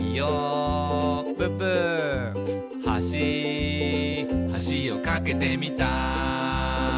「はしはしを架けてみた」